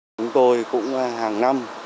chúng tôi cũng hàng năm